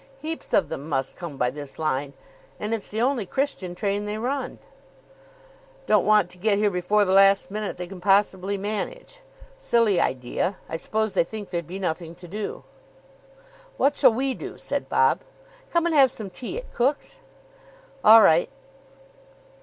"Heaps of them must come by this line, and it's the only Christian train they run," "Don't want to get here before the last minute they can possibly manage. Silly idea. I suppose they think there'd be nothing to do." "What shall we do?" said Bob. "Come and have some tea at Cook's?" "All right."